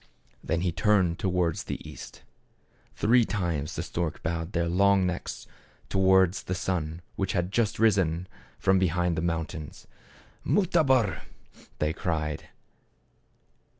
Then he turned towards the east. Three times the storks bowed their long necks towards the sun which had just risen from be hind the mountains. " Mutabor !" they cried.